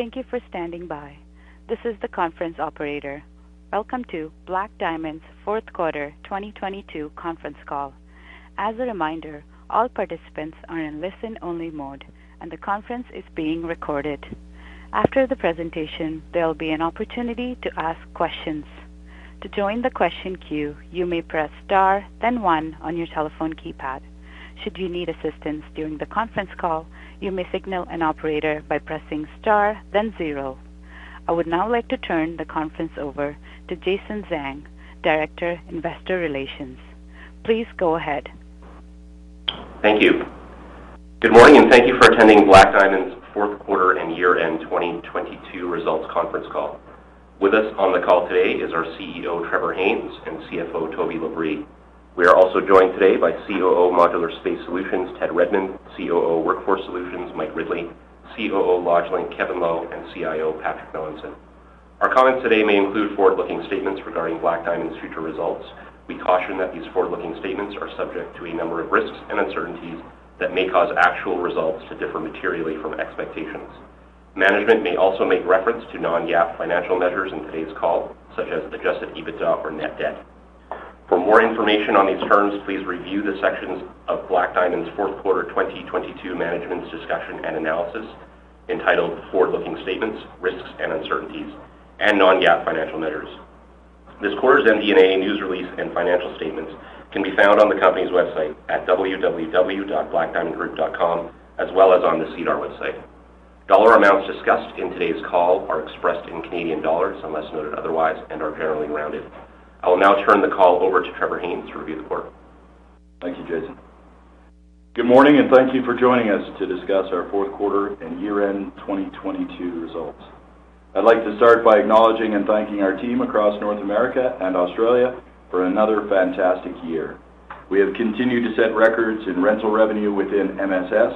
Thank you for standing by. This is the conference operator. Welcome to Black Diamond's fourth quarter 2022 conference call. As a reminder, all participants are in listen-only mode and the conference is being recorded. After the presentation, there'll be an opportunity to ask questions. To join the question queue, you may press star, then one on your telephone keypad. Should you need assistance during the conference call, you may signal an operator by pressing star, then zero. I would now like to turn the conference over to Jason Zhang, Director, Investor Relations. Please go ahead. Thank you. Good morning, and thank you for attending Black Diamond's fourth quarter and year-end 2022 results conference call. With us on the call today is our CEO, Trevor Haynes, and CFO, Toby LaBrie. We are also joined today by COO, Modular Space Solutions, Ted Redmond, COO, Workforce Solutions, Mike Ridley, COO, LodgeLink, Kevin Lowe, and CIO, Patrick Melanson. Our comments today may include forward-looking statements regarding Black Diamond's future results. We caution that these forward-looking statements are subject to a number of risks and uncertainties that may cause actual results to differ materially from expectations. Management may also make reference to non-GAAP financial measures in today's call, such as adjusted EBITDA or net debt. For more information on these terms, please review the sections of Black Diamond's fourth quarter 2022 Management's Discussion and Analysis entitled Forward-Looking Statements, Risks and Uncertainties, and Non-GAAP Financial Measures. This quarter's MD&A news release and financial statements can be found on the company's website at www.blackdiamondgroup.com, as well as on the SEDAR+ website. Dollar amounts discussed in today's call are expressed in Canadian dollars, unless noted otherwise, and are generally rounded. I will now turn the call over to Trevor Haynes to review the quarter. Thank you, Jason. Good morning, thank you for joining us to discuss our fourth quarter and year-end 2022 results. I'd like to start by acknowledging and thanking our team across North America and Australia for another fantastic year. We have continued to set records in rental revenue within MSS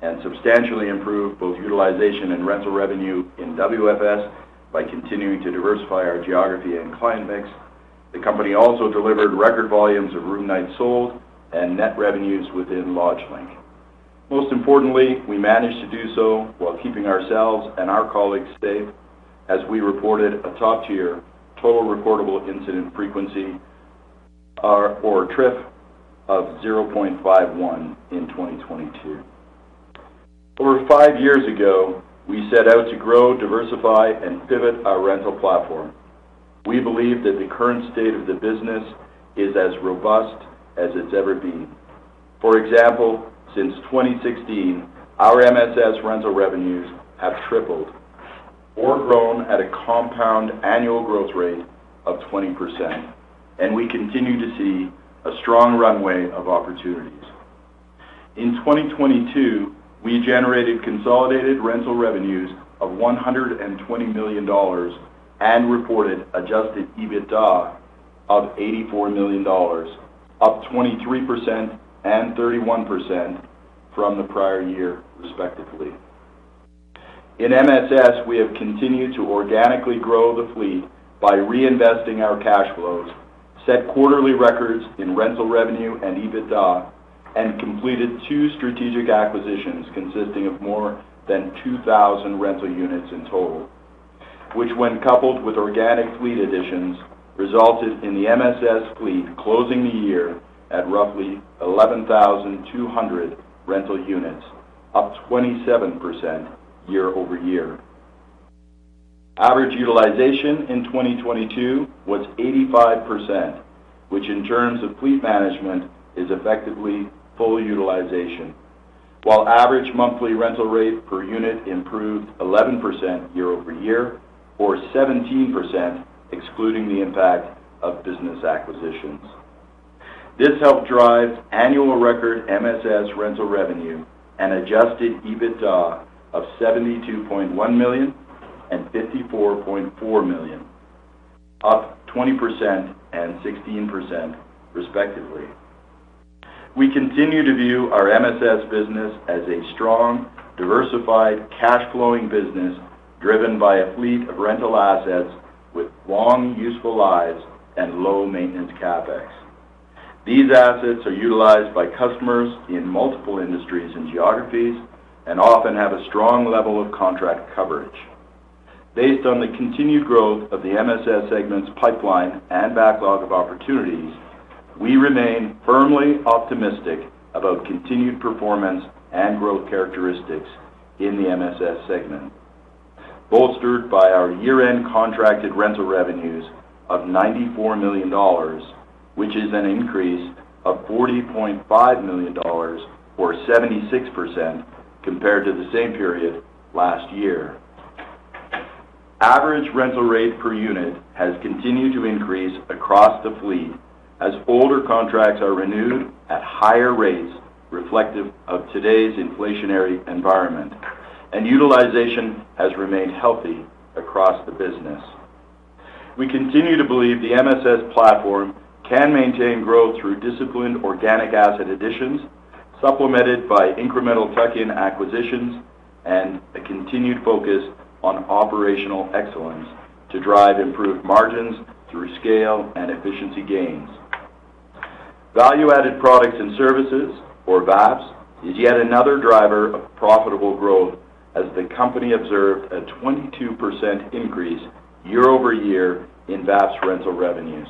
and substantially improved both utilization and rental revenue in WFS by continuing to diversify our geography and client mix. The company also delivered record volumes of room nights sold and net revenues within LodgeLink. Most importantly, we managed to do so while keeping ourselves and our colleagues safe as we reported a top-tier total reportable incident frequency, or TRIF, of 0.51 in 2022. Over five years ago, we set out to grow, diversify, and pivot our rental platform. We believe that the current state of the business is as robust as it's ever been. For example, since 2016, our MSS rental revenues have tripled or grown at a compound annual growth rate of 20%. We continue to see a strong runway of opportunities. In 2022, we generated consolidated rental revenues of 120 million dollars and reported adjusted EBITDA of 84 million dollars, up 23% and 31% from the prior year, respectively. In MSS, we have continued to organically grow the fleet by reinvesting our cash flows, set quarterly records in rental revenue and EBITDA, and completed two strategic acquisitions consisting of more than 2,000 rental units in total, which, when coupled with organic fleet additions, resulted in the MSS fleet closing the year at roughly 11,200 rental units, up 27% year-over-year. Average utilization in 2022 was 85%, which in terms of fleet management is effectively full utilization, while average monthly rental rate per unit improved 11% year-over-year, or 17% excluding the impact of business acquisitions. This helped drive annual record MSS rental revenue and adjusted EBITDA of 72.1 million and 54.4 million, up 20% and 16%, respectively. We continue to view our MSS business as a strong, diversified, cash-flowing business driven by a fleet of rental assets with long, useful lives and low maintenance CapEx. These assets are utilized by customers in multiple industries and geographies and often have a strong level of contract coverage. Based on the continued growth of the MSS segment's pipeline and backlog of opportunities, we remain firmly optimistic about continued performance and growth characteristics in the MSS segment, bolstered by our year-end contracted rental revenues of 94 million dollars, which is an increase of 40.5 million dollars or 76% compared to the same period last year. Average rental rate per unit has continued to increase across the fleet as older contracts are renewed at higher rates reflective of today's inflationary environment, utilization has remained healthy across the business. We continue to believe the MSS platform can maintain growth through disciplined organic asset additions, supplemented by incremental tuck-in acquisitions and a continued focus on operational excellence to drive improved margins through scale and efficiency gains. Value-added products and services, or VAPS, is yet another driver of profitable growth as the company observed a 22% increase year-over-year in VAPS rental revenues.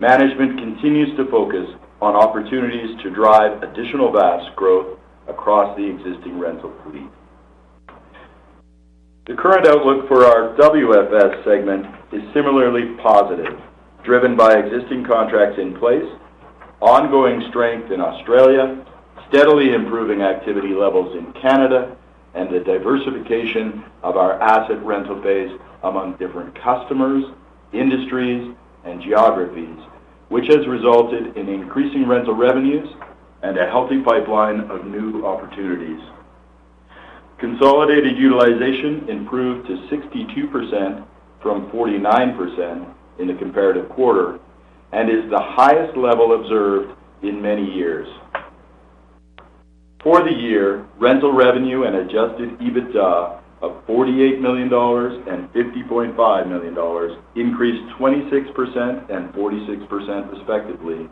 Management continues to focus on opportunities to drive additional VAPS growth across the existing rental fleet. The current outlook for our WFS segment is similarly positive, driven by existing contracts in place, ongoing strength in Australia, steadily improving activity levels in Canada, and the diversification of our asset rental base among different customers, industries, and geographies, which has resulted in increasing rental revenues and a healthy pipeline of new opportunities. Consolidated utilization improved to 62% from 49% in the comparative quarter and is the highest level observed in many years. For the year, rental revenue and adjusted EBITDA of 48 million dollars and 50.5 million dollars increased 26% and 46% respectively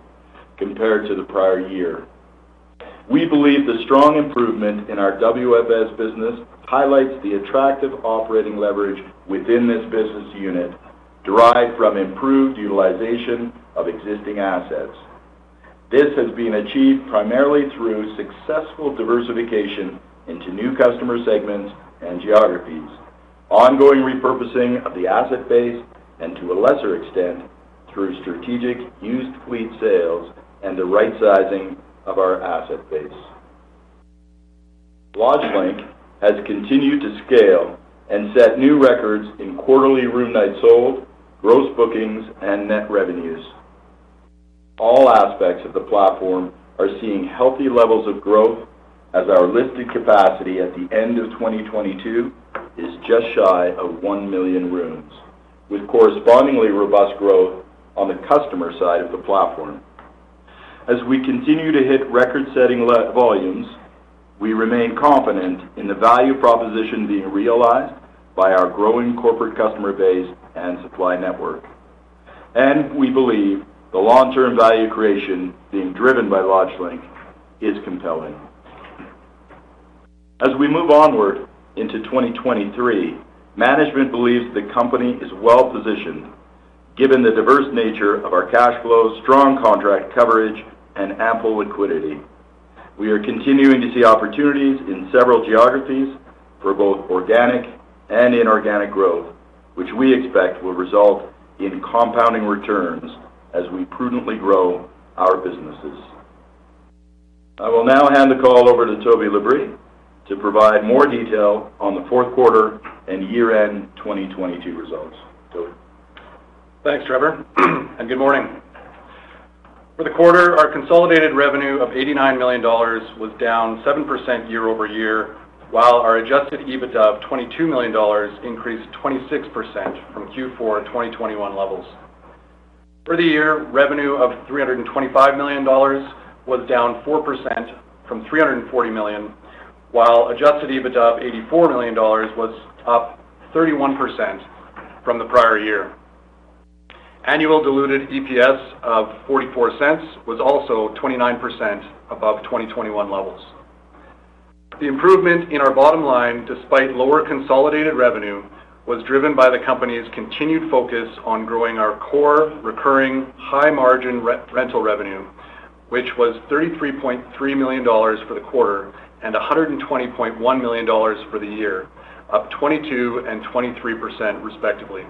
compared to the prior year. We believe the strong improvement in our WFS business highlights the attractive operating leverage within this business unit, derived from improved utilization of existing assets. This has been achieved primarily through successful diversification into new customer segments and geographies, ongoing repurposing of the asset base, and to a lesser extent, through strategic used fleet sales and the right sizing of our asset base. LodgeLink has continued to scale and set new records in quarterly room nights sold, gross bookings, and net revenues. All aspects of the platform are seeing healthy levels of growth as our listed capacity at the end of 2022 is just shy of one million rooms, with correspondingly robust growth on the customer side of the platform. As we continue to hit record-setting volumes, we remain confident in the value proposition being realized by our growing corporate customer base and supply network. We believe the long-term value creation being driven by LodgeLink is compelling. As we move onward into 2023, management believes the company is well-positioned given the diverse nature of our cash flow, strong contract coverage, and ample liquidity. We are continuing to see opportunities in several geographies for both organic and inorganic growth, which we expect will result in compounding returns as we prudently grow our businesses. I will now hand the call over to Toby LaBrie to provide more detail on the fourth quarter and year-end 2022 results. Toby. Thanks, Trevor. Good morning. For the quarter, our consolidated revenue of 89 million dollars was down 7% year-over-year, while our adjusted EBITDA of 22 million dollars increased 26% from Q4 2021 levels. For the year, revenue of 325 million dollars was down 4% from 340 million, while adjusted EBITDA of 84 million dollars was up 31% from the prior year. Annual diluted EPS of 0.44 was also 29% above 2021 levels. The improvement in our bottom line, despite lower consolidated revenue, was driven by the company's continued focus on growing our core recurring high-margin rental revenue, which was 33.3 million dollars for the quarter and 120.1 million dollars for the year, up 22% and 23% respectively.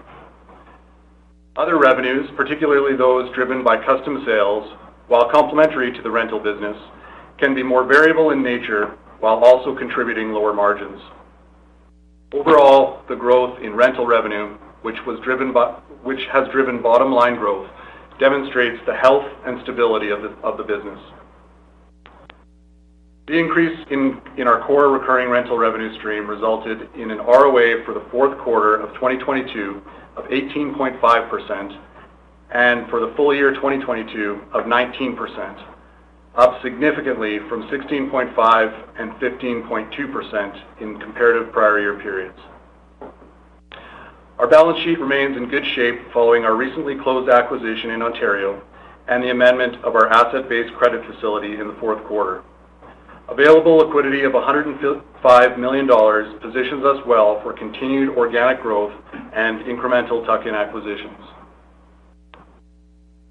Other revenues, particularly those driven by custom sales, while complementary to the rental business, can be more variable in nature while also contributing lower margins. Overall, the growth in rental revenue, which has driven bottom-line growth, demonstrates the health and stability of the business. The increase in our core recurring rental revenue stream resulted in an ROA for the fourth quarter of 2022 of 18.5%, and for the full-year 2022 of 19%, up significantly from 16.5% and 15.2% in comparative prior year periods. Our balance sheet remains in good shape following our recently closed acquisition in Ontario and the amendment of our asset-based credit facility in the fourth quarter. Available liquidity of 105 million dollars positions us well for continued organic growth and incremental tuck-in acquisitions.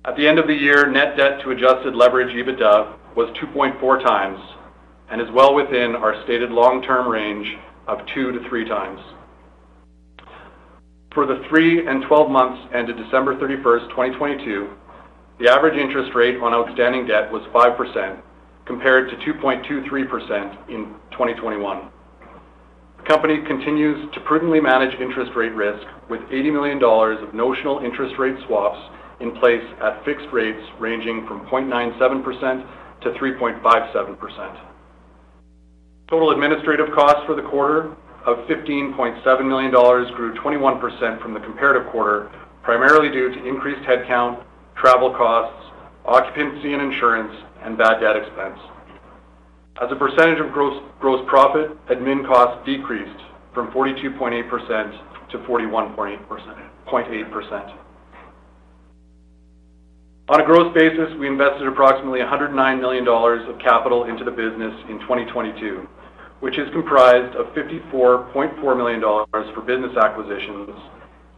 At the end of the year, Net Debt to adjusted Leverage EBITDA was 2.4x, and is well within our stated long-term range of 2x-3x. For the three and 12 months ended December 31, 2022, the average interest rate on outstanding debt was 5% compared to 2.23% in 2021. The company continues to prudently manage interest rate risk with 80 million dollars of notional interest rate swaps in place at fixed rates ranging from 0.97%-3.57%. Total administrative costs for the quarter of 15.7 million dollars grew 21% from the comparative quarter, primarily due to increased headcount, travel costs, occupancy and insurance, and bad debt expense. As a percentage of gross profit, admin costs decreased from 42.8%-41.8%. On a gross basis, we invested approximately 109 million dollars of capital into the business in 2022, which is comprised of 54.4 million dollars for business acquisitions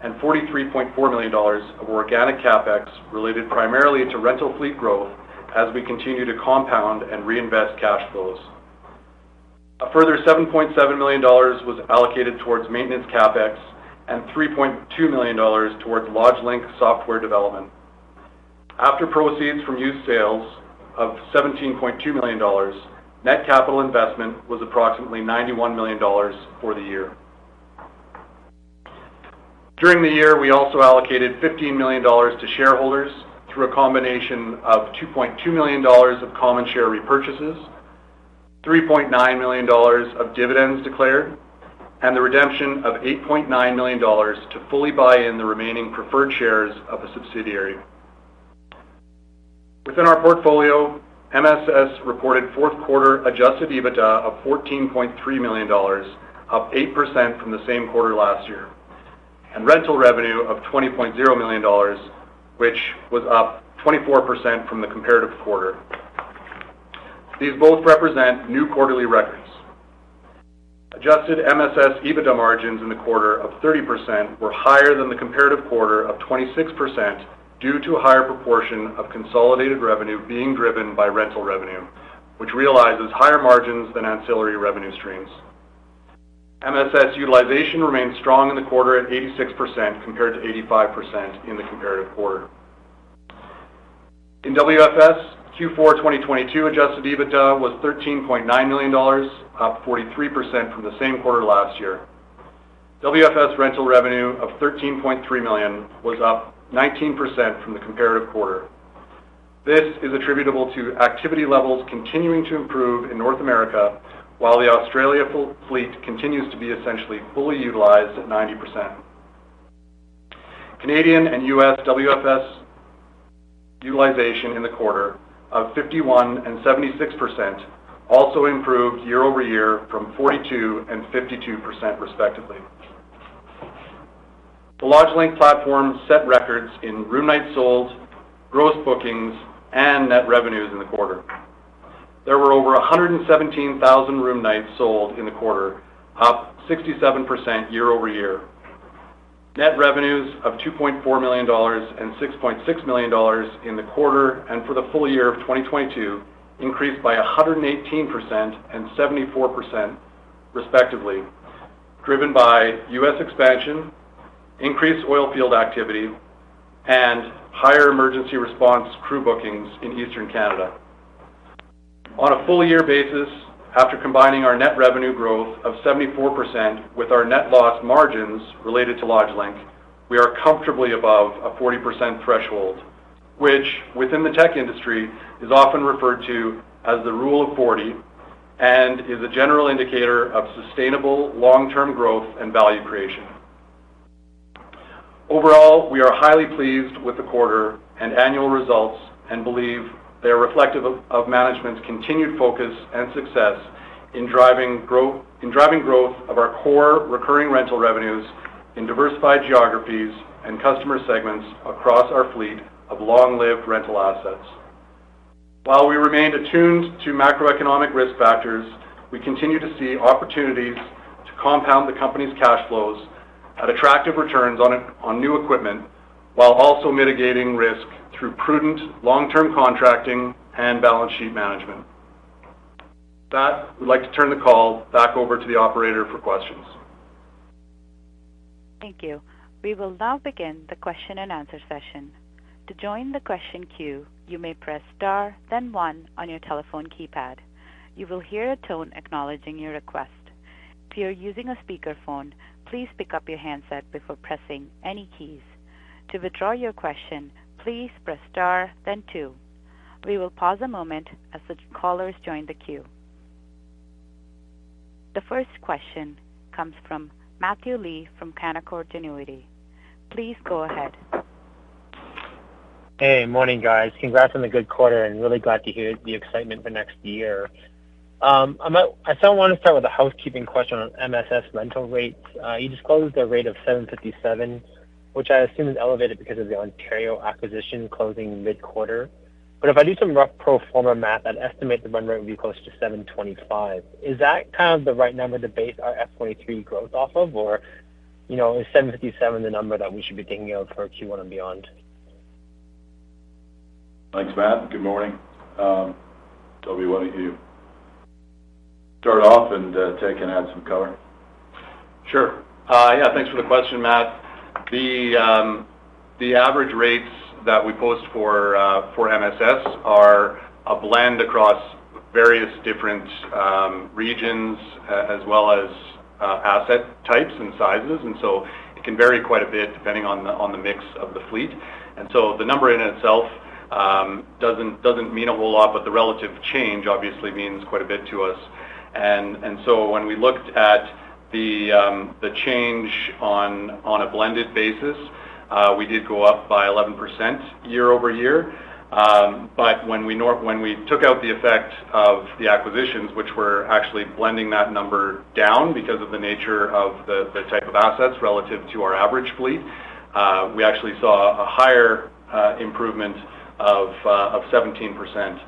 and 43.4 million dollars of organic CapEx related primarily to rental fleet growth as we continue to compound and reinvest cash flows. A further 7.7 million dollars was allocated towards maintenance CapEx and 3.2 million dollars towards LodgeLink software development. After proceeds from used sales of 17.2 million dollars, net capital investment was approximately 91 million dollars for the year. During the year, we also allocated 15 million dollars to shareholders through a combination of 2.2 million dollars of common share repurchases, 3.9 million dollars of dividends declared, and the redemption of 8.9 million dollars to fully buy in the remaining preferred shares of a subsidiary. Within our portfolio, MSS reported fourth quarter adjusted EBITDA of 14.3 million dollars, up 8% from the same quarter last year, and rental revenue of 20.0 million dollars, which was up 24% from the comparative quarter. These both represent new quarterly records. Adjusted MSS EBITDA margins in the quarter of 30% were higher than the comparative quarter of 26% due to a higher proportion of consolidated revenue being driven by rental revenue, which realizes higher margins than ancillary revenue streams. MSS utilization remained strong in the quarter at 86% compared to 85% in the comparative quarter. WFS Q4 2022 adjusted EBITDA was 13.9 million dollars, up 43% from the same quarter last year. WFS rental revenue of 13.3 million was up 19% from the comparative quarter. This is attributable to activity levels continuing to improve in North America, while the Australia fleet continues to be essentially fully utilized at 90%. Canadian and US WFS utilization in the quarter of 51% and 76% also improved year-over-year from 42% and 52% respectively. The LodgeLink platform set records in room nights sold, gross bookings, and net revenues in the quarter. There were over 117,000 room nights sold in the quarter, up 67% year-over-year. Net revenues of 2.4 million dollars and 6.6 million dollars in the quarter and for the full-year of 2022 increased by 118% and 74% respectively, driven by U.S. expansion, increased oil field activity, and higher emergency response crew bookings in Eastern Canada. On a full-year basis, after combining our net revenue growth of 74% with our net loss margins related to LodgeLink, we are comfortably above a 40% threshold, which within the tech industry is often referred to as the Rule of 40 and is a general indicator of sustainable long-term growth and value creation. Overall, we are highly pleased with the quarter and annual results and believe they are reflective of management's continued focus and success in driving growth of our core recurring rental revenues in diversified geographies and customer segments across our fleet of long-lived rental assets. While we remained attuned to macroeconomic risk factors, we continue to see opportunities to compound the company's cash flows at attractive returns on new equipment, while also mitigating risk through prudent long-term contracting and balance sheet management. With that, we'd like to turn the call back over to the operator for questions. Thank you. We will now begin the question-and-answer session. To join the question queue, you may press star then one on your telephone keypad. You will hear a tone acknowledging your request. If you are using a speaker phone, please pick up your handset before pressing any keys. To withdraw your question, please press star then two. We will pause a moment as the callers join the queue. The first question comes from Matthew Lee from Canaccord Genuity. Please go ahead. Hey, morning, guys. Congrats on the good quarter. Really glad to hear the excitement for next year. I still wanna start with a housekeeping question on MSS rental rates. You disclosed a rate of 7.57, which I assume is elevated because of the Ontario acquisition closing mid-quarter. If I do some rough pro forma math, I'd estimate the run rate would be close to 7.25. Is that kind of the right number to base our F 23 growth off of or, you know, is 7.57 the number that we should be thinking of for Q1 and beyond? Thanks, Matt. Good morning. Toby, why don't you start off and take and add some color? Sure. Yeah, thanks for the question, Matt. The average rates that we post for MSS are a blend across various different regions, as well as asset types and sizes, and so it can vary quite a bit depending on the mix of the fleet. The number in itself doesn't mean a whole lot, but the relative change obviously means quite a bit to us. When we looked at the change on on a blended basis, we did go up by 11% year-over-year. When we took out the effect of the acquisitions, which were actually blending that number down because of the nature of the type of assets relative to our average fleet, we actually saw a higher improvement of 17%,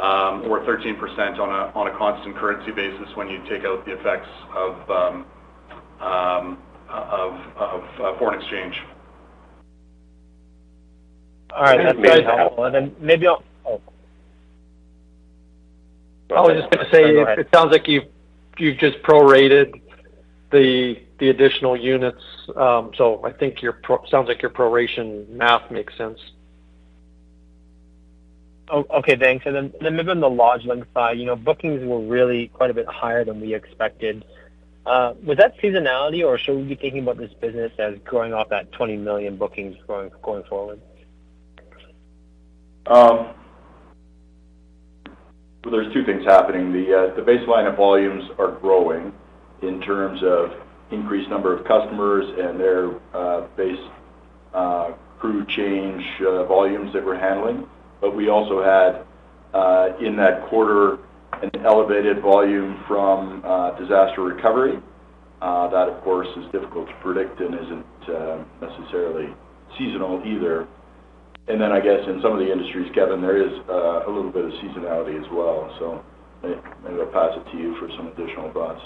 or 13% on a constant currency basis when you take out the effects of foreign exchange. All right. That's helpful. Then maybe I'll Oh. I was just gonna say- Go ahead. It sounds like you've just prorated the additional units. I think your proration math makes sense. Okay, thanks. Then maybe on the LodgeLink side, you know, bookings were really quite a bit higher than we expected. Was that seasonality or should we be thinking about this business as growing off that 20 million bookings going forward? Well, there's two things happening. The baseline of volumes are growing in terms of increased number of customers and their base crew change volumes that we're handling. We also had in that quarter an elevated volume from disaster recovery. That, of course, is difficult to predict and isn't necessarily seasonal either. I guess in some of the industries, Kevin, there is a little bit of seasonality as well. Maybe I'll pass it to you for some additional thoughts.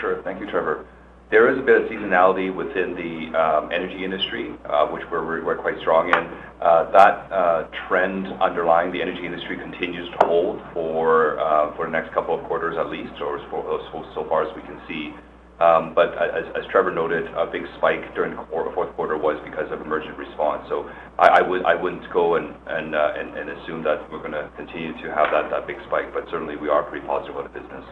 Sure. Thank you, Trevor. There is a bit of seasonality within the energy industry, which we're quite strong in. That trend underlying the energy industry continues to hold for the next couple of quarters at least, or as far so far as we can see. As Trevor noted, a big spike during fourth quarter was because of emergency response. I wouldn't go and assume that we're gonna continue to have that big spike, but certainly we are pretty positive on the business.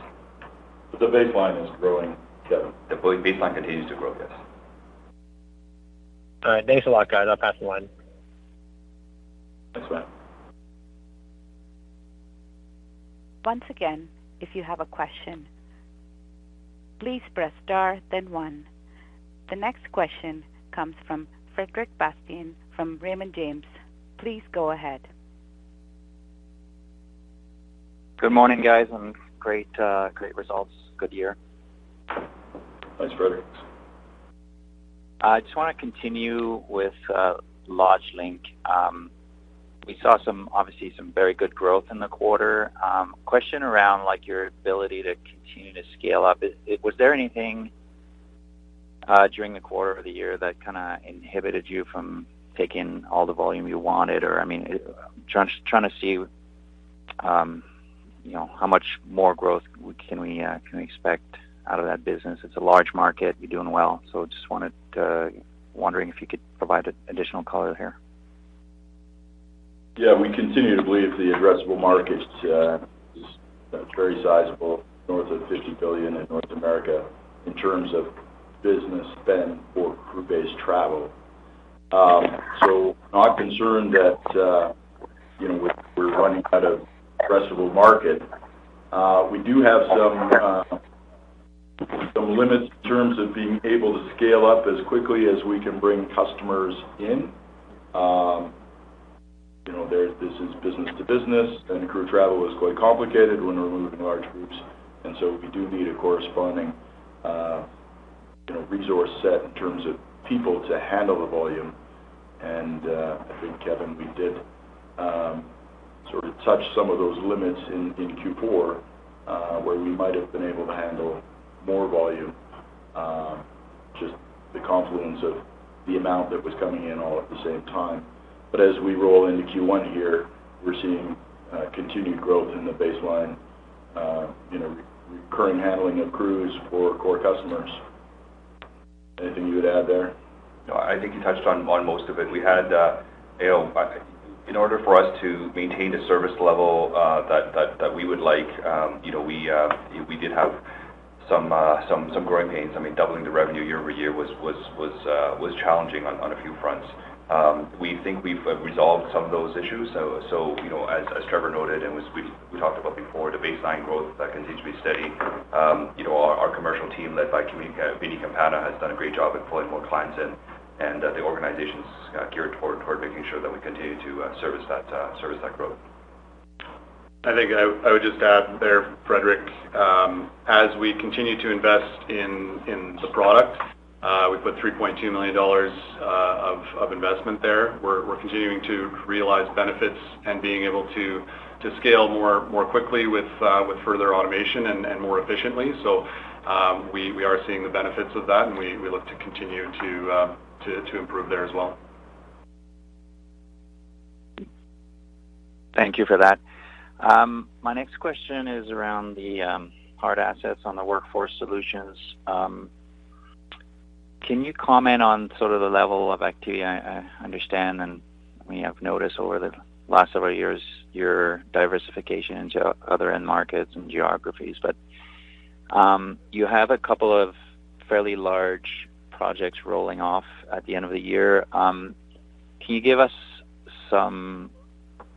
The baseline is growing, Kevin. The baseline continues to grow. Yes. All right. Thanks a lot, guys. I'll pass the line. Thanks, Matt. Once again, if you have a question, please press star, then one. The next question comes from Frederic Bastien from Raymond James. Please go ahead. Good morning, guys. Great results. Good year. Thanks, Frederic. I just wanna continue with LodgeLink. We saw some, obviously some very good growth in the quarter. Question around, like, your ability to continue to scale up. Was there anything during the quarter of the year that kinda inhibited you from taking all the volume you wanted? I mean, trying to see, you know, how much more growth can we expect out of that business? It's a large market. You're doing well. just wanted to wondering if you could provide additional color here. Yeah. We continue to believe the addressable market is very sizable, north of 50 billion in North America in terms of business spend for crew-based travel. Not concerned that, you know, we're running out of addressable market. We do have some limits in terms of being able to scale up as quickly as we can bring customers in. You know, this is business to business, and crew travel is quite complicated when we're moving large groups. We do need a corresponding, you know, resource set in terms of people to handle the volume. I think, Kevin, we did sort of touch some of those limits in Q4 where we might have been able to handle more volume, just the confluence of the amount that was coming in all at the same time. As we roll into Q1 here, we're seeing continued growth in the baseline, you know, re-recurring handling of crews for core customers. Anything you would add there? No. I think you touched on most of it. We had, you know, in order for us to maintain the service level that we would like, you know, we did have some growing pains. I mean, doubling the revenue year-over-year was challenging on a few fronts. We think we've resolved some of those issues. you know, as Trevor noted, and we talked about before, the baseline growth that continues to be steady. you know, our commercial team, led by Vinnie Campana, has done a great job at pulling more clients in, and the organization's geared toward making sure that we continue to service that growth. I think I would just add there, Frederic, as we continue to invest in the product, we put 3.2 million dollars of investment there. We're continuing to realize benefits and being able to scale more quickly with further automation and more efficiently. We are seeing the benefits of that, and we look to continue to improve there as well. Thank you for that. My next question is around the hard assets on the Workforce Solutions. Can you comment on sort of the level of activity? I understand and we have noticed over the last several years your diversification into other end markets and geographies. You have a couple of fairly large projects rolling off at the end of the year. Can you give us some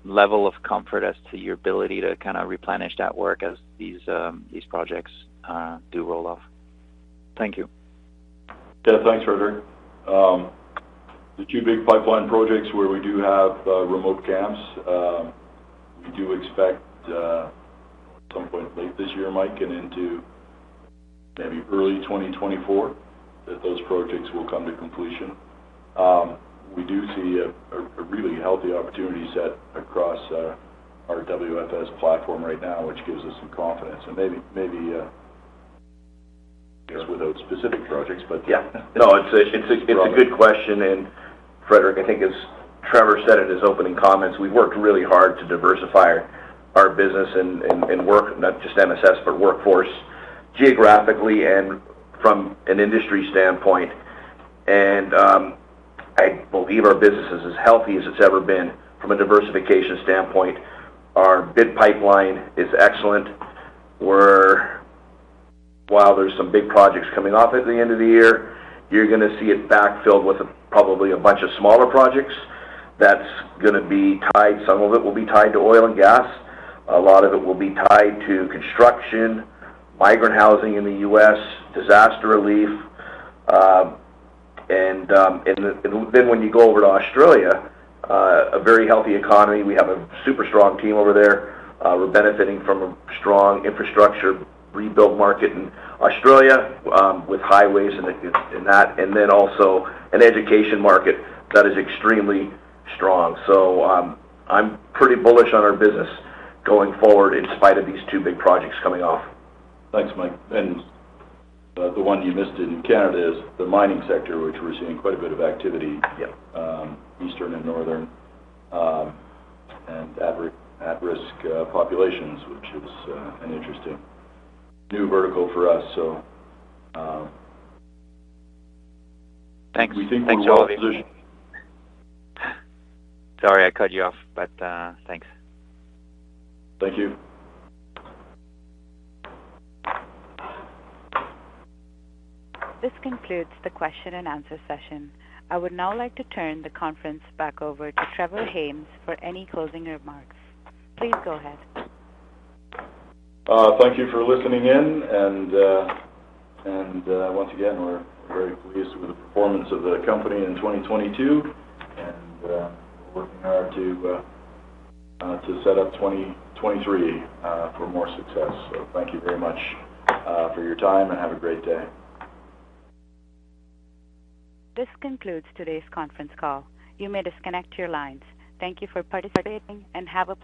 level of comfort as to your ability to kind of replenish that work as these projects do roll off. Thank you. Yeah, thanks, Frederic. The two big pipeline projects where we do have remote camps, we do expect at some point late this year, might get into maybe early 2024, that those projects will come to completion. We do see a really healthy opportunity set across our WFS platform right now, which gives us some confidence. Maybe, I guess without specific projects, but. Yeah. No, it's a good question. Frederic, I think as Trevor said in his opening comments, we worked really hard to diversify our business and work, not just MSS, but Workforce geographically and from an industry standpoint. I believe our business is as healthy as it's ever been from a diversification standpoint. Our bid pipeline is excellent. While there's some big projects coming off at the end of the year, you're gonna see it backfilled with a probably a bunch of smaller projects that's gonna be tied. Some of it will be tied to oil and gas. A lot of it will be tied to construction, migrant housing in the U.S., disaster relief. When you go over to Australia, a very healthy economy. We have a super strong team over there. We're benefiting from a strong infrastructure rebuild market in Australia, with highways and that, and then also an education market that is extremely strong. I'm pretty bullish on our business going forward in spite of these two big projects coming off. Thanks, Mike. The one you missed in Canada is the mining sector, which we're seeing quite a bit of activity. Yeah. Eastern and northern, and at-risk populations, which is an interesting new vertical for us. Thanks. Thanks. We think we're well-positioned. Sorry, I cut you off, but, thanks. Thank you. This concludes the question-and-answer session. I would now like to turn the conference back over to Trevor Haynes for any closing remarks. Please go ahead. Thank you for listening in and once again, we're very pleased with the performance of the company in 2022, and we're working hard to set up 2023 for more success. Thank you very much for your time, and have a great day. This concludes today's conference call. You may disconnect your lines. Thank you for participating and have a great day.